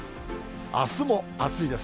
あすも暑いです。